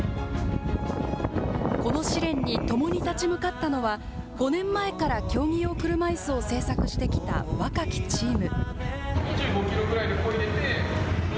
この試練に共に立ち向かったのは、５年前から競技用車いすを製作してきた若きチーム。